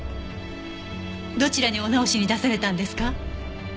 どちらにお直しに出されたんですか？